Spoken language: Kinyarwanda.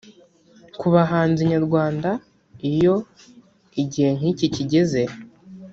Ku bahanzi nyarwanda iyo igihe nk’iki kigeze